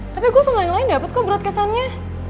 tapi gue sama yang lain dapet kok broadcast annya